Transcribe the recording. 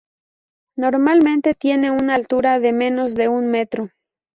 Normalmente tiene una altura de menos de un metro.